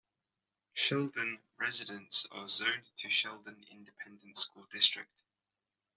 Sheldon residents are zoned to Sheldon Independent School District.